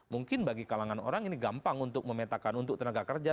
mungkin bagi kalangan orang ini gampang untuk memetakan untuk tenaga kerja